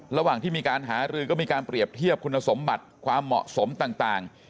ระหว่างที่มีการหารือก็มีการเปรียบเทียบคุณสมบัติความเหมาะสมต่าง